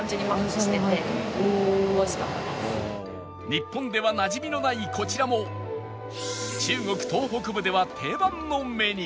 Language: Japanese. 日本ではなじみのないこちらも中国東北部では定番のメニュー